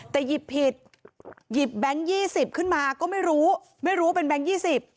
แต่หยิบผิดหยิบแบงค์๒๐ขึ้นมาก็ไม่รู้ไม่รู้ว่าเป็นแบงค์๒๐